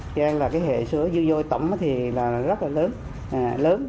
cho nên là cái hệ số dư dôi tổng thì là rất là lớn